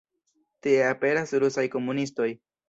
Tie aperas Rusaj komunistoj.